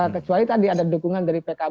kecuali tadi ada dukungan dari pkb ataupun pkb